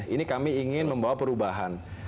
ini kami ingin membawa perubahan